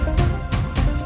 aku mau ke sana